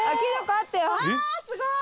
あすごい！